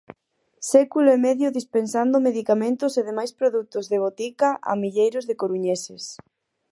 Século e medio dispensando medicamentos e demais produtos de botica a milleiros de coruñeses.